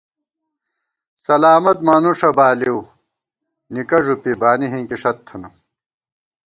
سلامت مانُوݭہ بالِؤ، نِکہ ݫُپی بانی ہِنکِی ݭت تھننہ